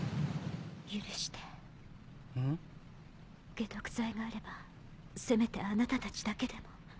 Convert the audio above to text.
解毒剤があればせめてあなたたちだけでも。